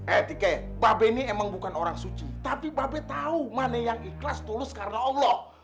etika babe ini emang bukan orang suci tapi babe tahu mana yang ikhlas tulus karena allah